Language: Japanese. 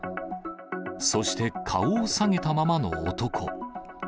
そして顔を下げたままの男。